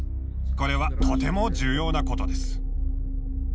これはとても重要なことです。